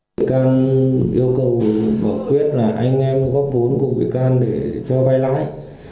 vị can yêu cầu bỏ quyết là anh em góp vốn của vị can để cho vai lãi